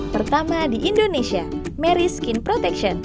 pertama di indonesia mary skin protection